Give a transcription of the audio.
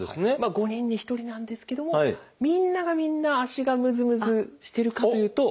５人に１人なんですけどもみんながみんな足がムズムズしてるかというと。